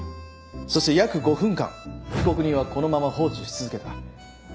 そして約５分間被告人はこのまま放置し続けた。